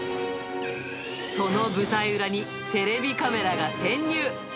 その舞台裏にテレビカメラが潜入。